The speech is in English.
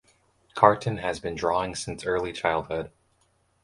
Carton has been drawing since early childhood.